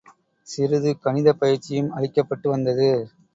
சிறிது கணிதப் பயிற்சியும் அளிக்கப்பட்டு வந்தது.